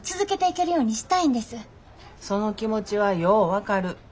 その気持ちはよう分かる。